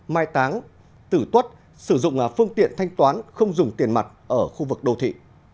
mai táng tử tuất sử dụng phương tiện thanh toán không dùng tiền mặt ở khu vực đô thị